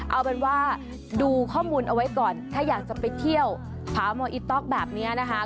เอาเป็นว่าดูข้อมูลเอาไว้ก่อนถ้าอยากจะไปเที่ยวผาโมอิต๊อกแบบนี้นะคะ